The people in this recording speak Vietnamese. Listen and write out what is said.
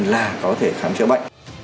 là có thể khám chữa bệnh